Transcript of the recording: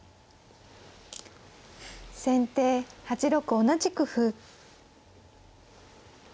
先手８六同じく歩。